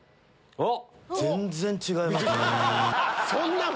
あっ！